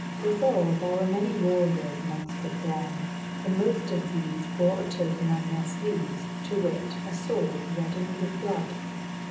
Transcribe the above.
Withal there were many warriors amongst the throng, and most of these bore a token on their sleeves, to wit, a sword reddened with blood.